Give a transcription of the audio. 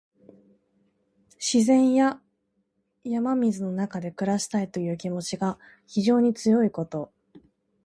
自然や山水の中で暮らしたいという気持ちが非常に強いこと。